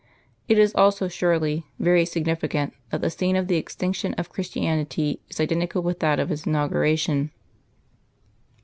It is also, surely, very significant that the scene of the extinction of Christianity is identical with that of its inauguration....